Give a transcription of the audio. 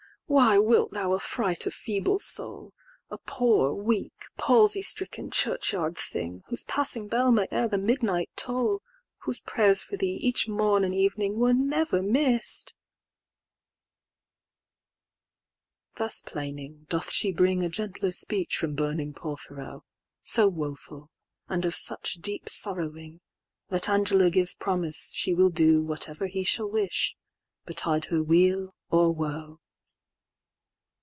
why wilt thou affright a feeble soul?"A poor, weak, palsy stricken, churchyard thing,"Whose passing bell may ere the midnight toll;"Whose prayers for thee, each morn and evening,"Were never miss'd."—Thus plaining, doth she bringA gentler speech from burning Porphyro; So woful, and of such deep sorrowing, That Angela gives promise she will doWhatever he shall wish, betide her weal or woe.